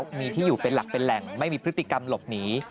มีที่อยู่เป็นหลักเป็นแหล่งไม่มีพฤติกรรมหลบหนี